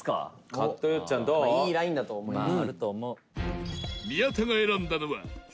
北山：いいラインだと思います。